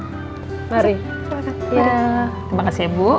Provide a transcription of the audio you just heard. terima kasih ibu